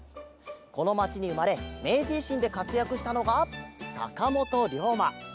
このまちにうまれめいじいしんでかつやくしたのが坂本龍馬。